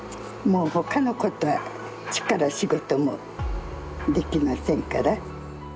もう他のことは力仕事もできませんから。